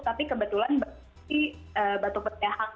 tapi kebetulan batuk berdahak